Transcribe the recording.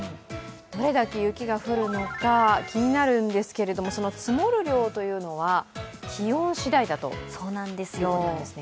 どれだけ雪が降るのか気になるんですけれども、その積もる量というのは気温しだいだということですね。